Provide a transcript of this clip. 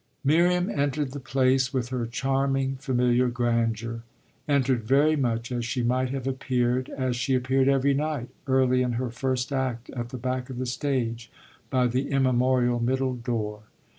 Miriam entered the place with her charming familiar grandeur entered very much as she might have appeared, as she appeared every night, early in her first act, at the back of the stage, by the immemorial middle door.